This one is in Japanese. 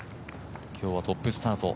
今日はトップスターと。